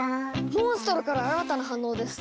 モンストロから新たな反応です！